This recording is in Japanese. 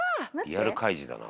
「リアル『カイジ』だな」